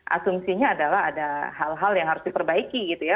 asumsinya adalah ada hal hal yang harus diperbaiki gitu ya